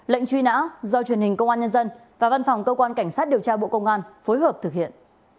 lệnh truy nã do truyền hình công an nhân dân và văn phòng cơ quan cảnh sát điều tra bộ công an phối hợp thực hiện